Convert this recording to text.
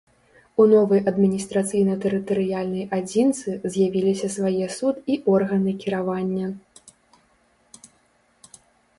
У новай адміністрацыйна-тэрытарыяльнай адзінцы з'явіліся свае суд і органы кіравання.